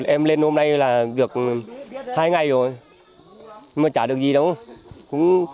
em lên hôm nay là được hai ngày rồi mà chả được gì đâu